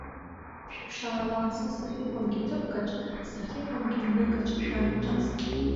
Шәыԥшаала са сахьыҟамгьы ҭыԥкаҿ, сахьыҟамгьы ҩныкаҿ шәаанҿас.